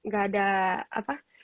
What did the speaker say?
gak ada apa